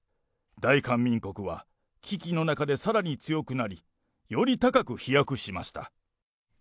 大韓民国は危機の中でさらに強くなり、より高く飛躍しました。